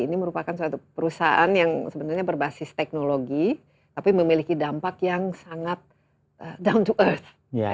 ini merupakan suatu perusahaan yang sebenarnya berbasis teknologi tapi memiliki dampak yang sangat down to earth